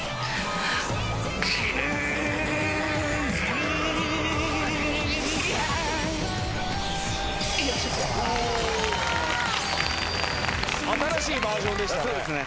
新しいバージョンでしたね。